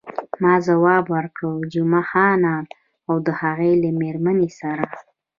ما ځواب ورکړ، جمعه خان او د هغه له میرمنې سره.